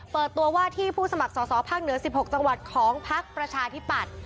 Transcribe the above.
เปิดตัวว่าที่ผู้สมัครสอสอภาคเหนือ๑๖จังหวัดของพักประชาธิปัตย์